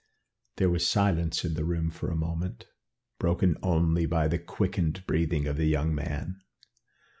There was silence in the room for a moment, broken only by the quickened breathing of the young man.